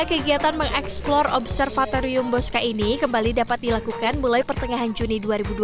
kegiatan mengeksplor observatorium bosca ini kembali dapat dilakukan mulai pertengahan juni